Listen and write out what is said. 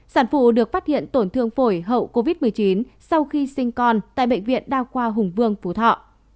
sản phụ được phát hiện tổn thương phổi hậu covid một mươi chín sau khi sinh con tại bệnh viện đa khoa hùng vương phú thọ